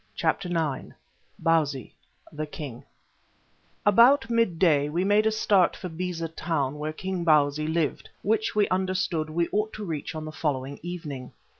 CHAPTER IX BAUSI THE KING About midday we made a start for Beza Town where King Bausi lived, which we understood we ought to reach on the following evening.